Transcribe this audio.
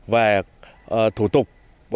về thủ tục